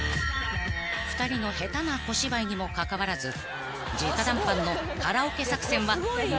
［２人の下手な小芝居にもかかわらず直談判のカラオケ作戦は何とか成功］